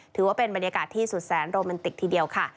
ถือว่าเป็นบรรยากาศที่สุดแสนโรแมนติกทีเดียวค่ะ